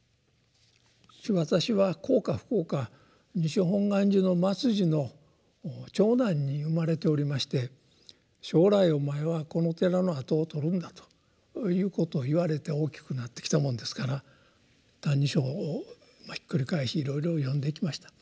私は幸か不幸か西本願寺の末寺の長男に生まれておりまして「将来お前はこの寺の跡をとるんだ」ということを言われて大きくなってきたものですから「歎異抄」をひっくり返しいろいろ読んできました。